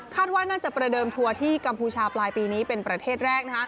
ว่าน่าจะประเดิมทัวร์ที่กัมพูชาปลายปีนี้เป็นประเทศแรก